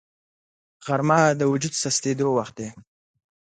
غرمه د وجود سستېدو وخت دی